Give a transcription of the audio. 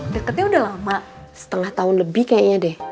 deketnya udah lama setengah tahun lebih kayaknya deh